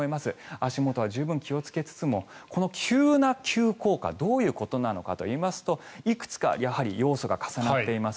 足元は十分気をつけつつもこの急な急降下どういうことなのかといいますといくつかやはり要素が重なっています。